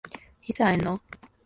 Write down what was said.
いつ会えんの？